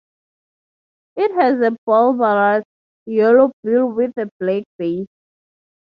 It has a bulbous yellow bill with a black base.